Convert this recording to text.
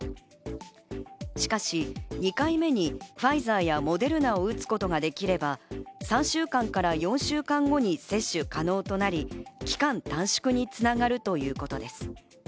しかし２回目にファイザーやモデルナを打つことができれば３週間から４週間後に接種可能となり、期間短縮に繋がるということです。